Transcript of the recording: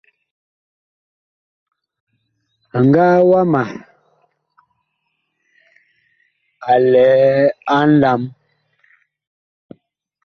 Ŋgaa wama a lɛ a nlam.